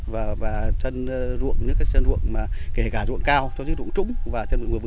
và chân ruộng vừa vừa